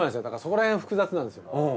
だからそこらへん複雑なんですよ。